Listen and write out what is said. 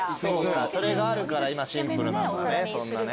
それがあるから今シンプルなんだねそんなね。